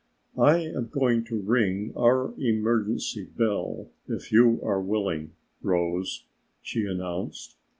"I am going to ring our emergency bell if you are willing, Rose," she announced.